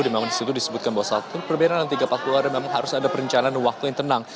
memang disitu disebutkan bahwa perbedaan dari tiga ratus empat puluh adalah memang harus ada perencanaan waktu yang tenang